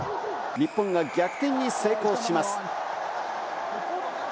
日本が逆転に成功します。